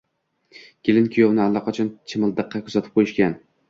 Kelin-kuyovni allaqachon chimildiqqa kuzatib qoʻyishgan